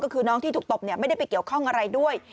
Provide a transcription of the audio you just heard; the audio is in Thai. ก็คือน้องที่ถูกตบไม่ได้ไปเกี่ยวข้องอะไรด้วย